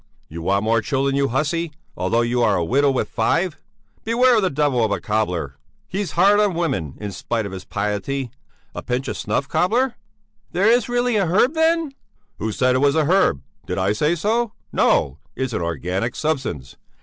You want more children, you hussy, although you are a widow with five! Beware of that devil of a cobbler! He's hard on women, in spite of his piety. A pinch of snuff, cobbler?" "There is really a herb then...." "Who said it was a herb? Did I say so? No; it's an organic substance.